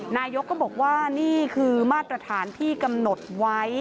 นายกก็บอกว่านี่คือมาตรฐานที่กำหนดไว้